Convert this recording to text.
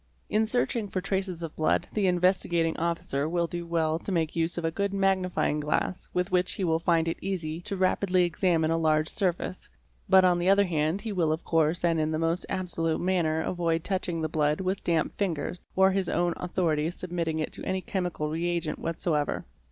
In searching for traces of blood the Investigating Officer will do well to make use of a good magnifying glass with which he will find it easy to rapidly examine a large surface, but on the other hand he will of course and in the most absolute manner, avoid touching the blood with damp fingers or on his own authority submitting it to any chemical reagent whatsoever.